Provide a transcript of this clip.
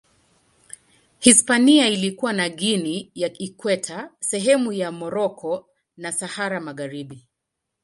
Hispania ilikuwa na Guinea ya Ikweta, sehemu za Moroko na Sahara Magharibi.